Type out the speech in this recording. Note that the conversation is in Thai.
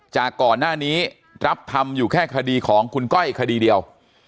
จากก่อนหน้านี้รับทำอยู่แค่คดีของคุณก้อยคดีเดียว